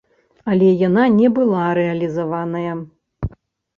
Але яна не была рэалізаваная.